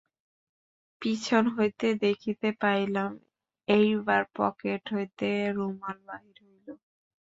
পিছন হইতে দেখিতে পাইলাম, এইবার পকেট হইতে রুমাল বাহির হইল।